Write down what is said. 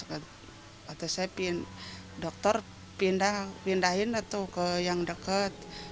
ketika saya dokter pindahin ke yang dekat